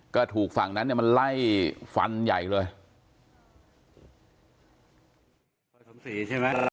ก็ถูกฝั่งนั้นเนี่ยมันไล่ฟันใหญ่เลย